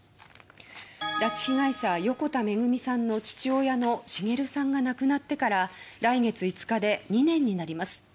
拉致被害者・横田めぐみさんの父親の滋さんが亡くなってから来月５日で２年になります。